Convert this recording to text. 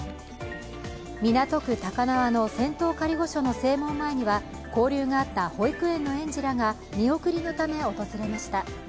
港区高輪の仙洞仮御所の正門前には、交流があった保育園の園児らが見送りのため訪れました。